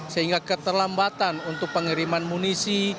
sehingga keterlambatan untuk pengiriman munisi